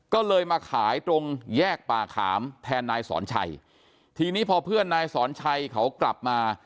ก็เลยมาขายตรงแยกป่าขามแทนนายสอนชัยทีนี้พอเพื่อนนายสอนชัยเขากลับมา